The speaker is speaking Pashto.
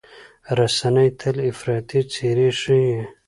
رسنۍ تل افراطي څېرې ښيي.